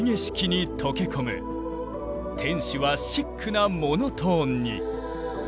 天守はシックなモノトーンに。